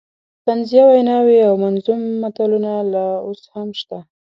طنزیه ویناوې او منظوم متلونه لا اوس هم شته.